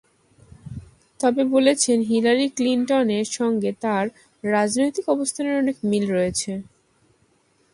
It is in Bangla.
তবে বলেছেন, হিলারি ক্লিনটনের সঙ্গে তাঁর রাজনৈতিক অবস্থানের অনেক মিল রয়েছে।